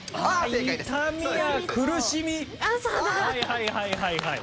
はいはいはいはい。